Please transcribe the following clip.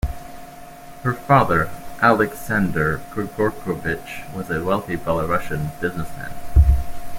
Her father, Aleksandr Grigorovich, was a wealthy Belarusian businessman.